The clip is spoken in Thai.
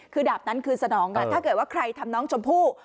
คือดาบนั้นคือสนองถ้าเกิดว่าใครทำน้องชมพู่